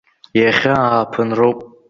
Иахьа ааԥынроуп!